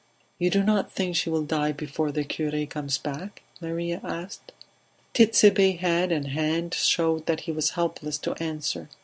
"You do not think she will die before the cure comes back?" Maria asked. Tit'Sebe's head and hand showed that he was helpless to answer.